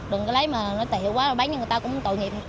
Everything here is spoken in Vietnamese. đừng có lấy mà nó tệ quá rồi bán cho người ta cũng tội nghiệp